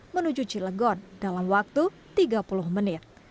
menuju cilegon dalam waktu tiga puluh menit